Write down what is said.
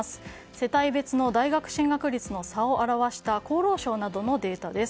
世帯別の大学進学率の差を表した厚労省などのデータです。